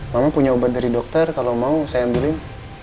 mama punya obat dari dokter kalau mau saya ambilin